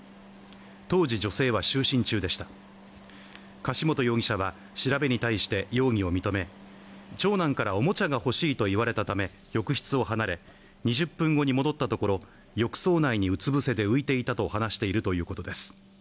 当時女性は就寝中でした柏本容疑者は調べに対して容疑を認め長男からおもちゃが欲しいと言われたため浴室を離れ２０分後に戻ったところ浴槽内にうつ伏せで浮いていたと話しているということです